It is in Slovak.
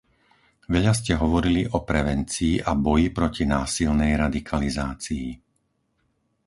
Veľa ste hovorili o prevencii a boji proti násilnej radikalizácii.